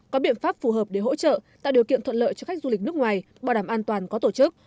có biện pháp phù hợp để hỗ trợ tạo điều kiện thuận lợi cho khách du lịch nước ngoài bảo đảm an toàn có tổ chức